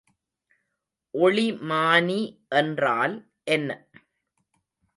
ஒளிமானி என்றால் என்ன?